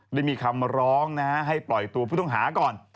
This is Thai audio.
ได้มีคำร้องให้ปล่อยตัวผู้ต้องหาก่อน